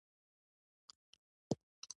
دوی تل هماغه ډنګوي چې غوږونه کاڼه کړي دي.